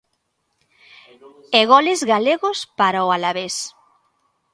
E goles galegos para o Alavés.